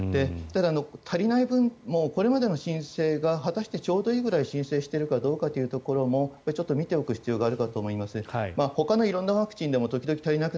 足りない分もこれまでの申請が果たしてちょうどいい量を申請しているかどうかというところもちょっと見ておく必要があるかと思います。